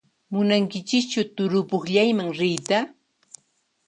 Munankichischu turupukllayman riyta?